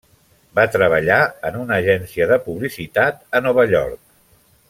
Va treballar en una agència de publicitat a Nova York.